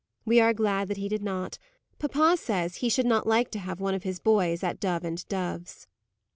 We are glad that he did not. Papa says he should not like to have one of his boys at Dove and Dove's."